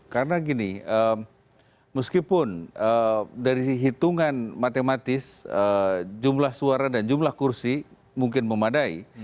karena gini meskipun dari hitungan matematis jumlah suara dan jumlah kursi mungkin memadai